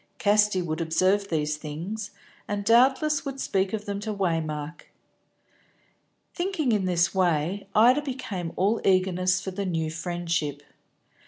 Casti would observe these things, and doubtless would speak of them to Waymark. Thinking in this way, Ida became all eagerness for the new friendship.